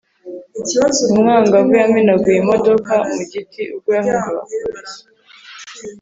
umwangavu yamenaguye imodoka mu giti ubwo yahungaga abapolisi